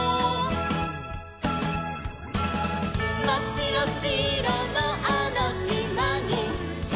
「まっしろしろのあのしまに」